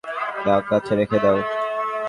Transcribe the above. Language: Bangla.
না, কাছে রেখে দাও।